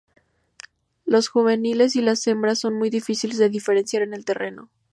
Los juveniles y las hembras son muy difíciles de diferenciar en el terreno.